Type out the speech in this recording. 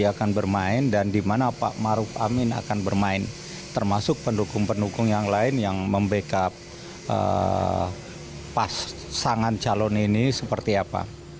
dia akan bermain dan dimana pak maruf amin akan bermain termasuk pendukung pendukung yang lain yang membackup pasangan calon ini seperti apa